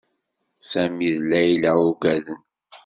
Sami d Layla uggaden.